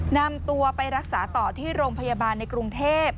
นำตัวไปรักษาต่อที่โรงพยาบาลในกรุงเทพ